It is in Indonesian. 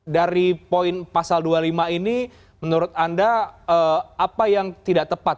dari poin pasal dua puluh lima ini menurut anda apa yang tidak tepat